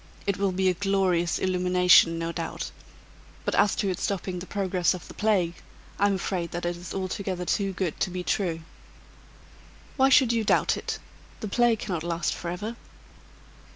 It will be a glorious illumination, no doubt; but as to its stopping the progress of the plague, I am afraid that it is altogether too good to be true." "Why should you doubt it? The plague cannot last forever."